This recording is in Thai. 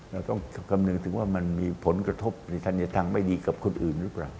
เราต้องคำนึงถึงว่ามันมีผลกระทบในธัญทางไม่ดีกับคนอื่นหรือเปล่า